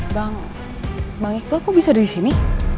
bang bang iqbal kok bisa ada disini